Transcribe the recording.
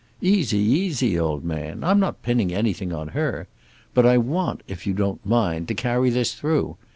"Easy, easy, old man. I'm not pinning anything on her. But I want, if you don't mind, to carry this through.